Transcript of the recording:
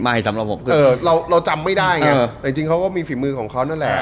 สำหรับผมคือเราเราจำไม่ได้ไงแต่จริงเขาก็มีฝีมือของเขานั่นแหละ